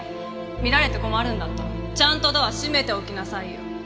見られて困るんだったらちゃんとドア閉めておきなさいよ。